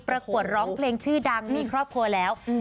ประกวดร้องเพลงชื่อดังมีครอบครัวแล้ว